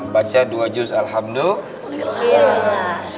baca dua juz alhamdulillah